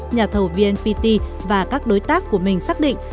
nhà thầu vnpt và các đối tác của mình xác định